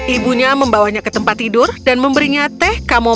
ibunya membawanya ke tempat tidur dan memberinya teh kamo